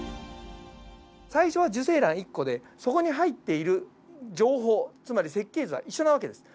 最初は受精卵１個でそこに入っている情報つまり設計図は一緒な訳です。